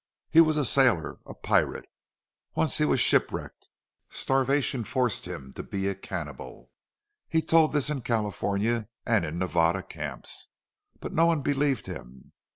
He was a sailor a pirate. Once he was shipwrecked. Starvation forced him to be a cannibal. He told this in California, and in Nevada camps. But no one believed him.